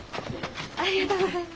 ありがとうございます。